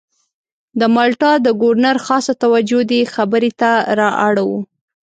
د مالټا د ګورنر خاصه توجه دې خبرې ته را اړوو.